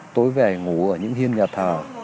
tối về ngủ ở những hiên nhà thờ